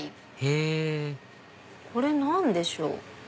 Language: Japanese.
へぇこれ何でしょう？